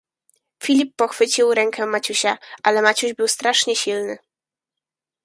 "Filip pochwycił rękę Maciusia, ale Maciuś był strasznie silny."